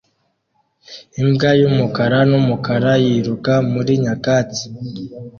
Imbwa y'umukara n'umukara yiruka muri nyakatsi